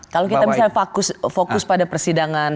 kalau kita misalnya fokus pada persidangan